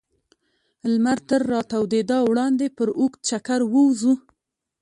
لمر تر راتودېدا وړاندې پر اوږد چکر ووځو.